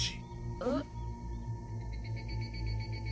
えっ？